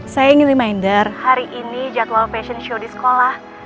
saya ingin di minder hari ini jadwal fashion show di sekolah